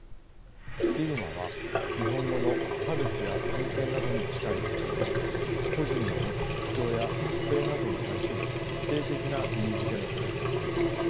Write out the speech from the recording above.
スティグマは日本語の差別や偏見などに近い英語で個人の持つ特徴や疾病などに対する否定的な意味づけのことです。